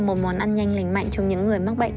một món ăn nhanh lành mạnh cho những người mắc bệnh